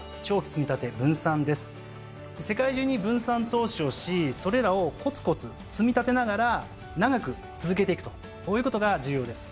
世界中に分散投資をしそれらをこつこつ積み立てながら長く続けていくとこういうことが重要です。